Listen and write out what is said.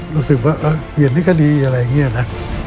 รู้สึกว่าเวียนที่ก็ดีอย่างไรนะ